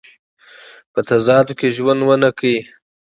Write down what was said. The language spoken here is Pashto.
په تضاداتو کې ژوند ونه کړي.